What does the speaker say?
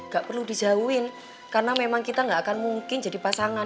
gak perlu dijauhin karena memang kita nggak akan mungkin jadi pasangan